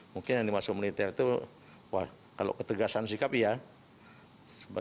mungkin yang dimaksud militer itu kalau ketegasan sikap ya